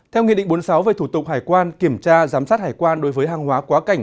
theo nghị định bốn mươi sáu về thủ tục hải quan kiểm tra giám sát hải quan đối với hàng hóa quá cảnh